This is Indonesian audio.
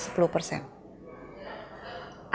asupan lemak jenuh